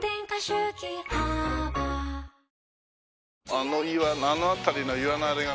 あの岩あの辺りの岩のあれが。